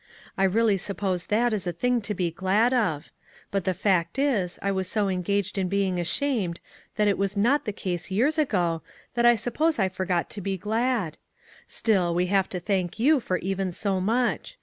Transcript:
I really suppose that is a thing to be glad of; but the fact is, I was so engaged in being ashamed that it was not the case years ago, that I sup pose I forgot to be glad. Still, we have to thank you for even so much.